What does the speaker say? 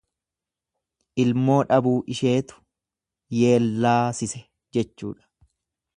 llmoo dhabuu isheetu yeellaasise jechuudha.